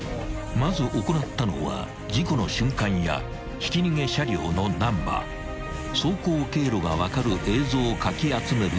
［まず行ったのは事故の瞬間やひき逃げ車両のナンバー走行経路が分かる映像をかき集めること］